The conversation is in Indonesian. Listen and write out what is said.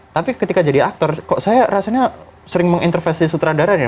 tapi ketika jadi aktor kok saya rasanya sering menginterface di sutradara ya